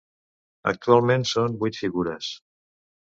Actualment són vuit figures.